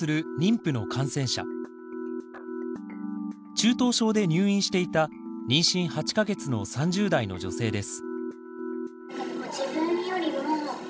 中等症で入院していた妊娠８か月の３０代の女性です。